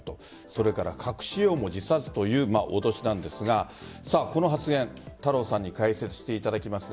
それから核使用も辞さずという脅しなんですがこの発言太郎さんに解説していただきます。